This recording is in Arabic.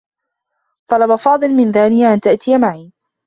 طلب فاضل من دانية أن تأتي معه.